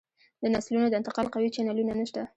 د نسلونو د انتقال قوي چینلونه نشته